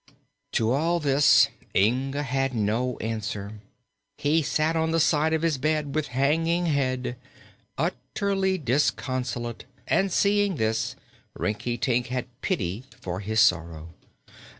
To all this Inga had no answer. He sat on the side of his bed, with hanging head, utterly disconsolate, and seeing this, Rinkitink had pity for his sorrow.